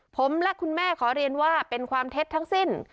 ผมและคุณแม่ขอเรียนว่าเป็นความเท็จทั้งสิ้น